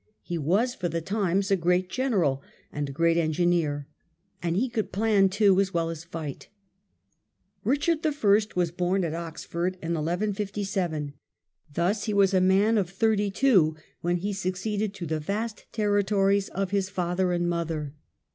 He was, for the times, a great general and a great engineer. And he could plan too as well as fight. Richard I. was bom at Oxford in 1157. Thus he was a man of thirty two when he succeeded to the vast terri tories of his father and his mother.